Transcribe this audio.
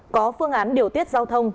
có phương án điều tiết giao thông